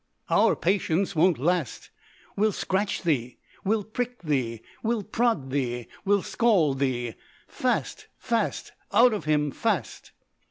Our patience won't last. We'll scratch thee, we'll prick thee, We'll prod thee, we'll scald thee. Fast, fast, out of him, fast!"